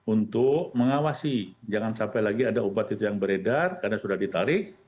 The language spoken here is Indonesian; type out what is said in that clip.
untuk mengawasi jangan sampai lagi ada obat itu yang beredar karena sudah ditarik